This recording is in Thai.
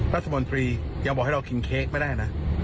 รัฐมนตรียังบอกให้เรากินเค้กไม่ได้นะ